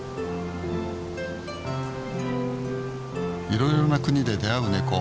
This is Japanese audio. いろいろな国で出会うネコ